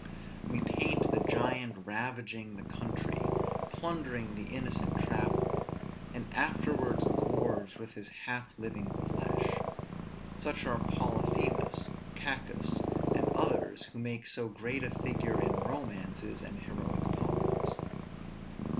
We paint the giant ravaging the country, plundering the innocent traveller, and afterwards gorged with his half living flesh: such are Polyphemus, Cacus, and others, who make so great a figure in romances and heroic poems.